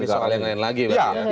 ini soal yang lain lagi